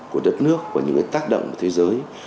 của đất nước của những tác động của thế giới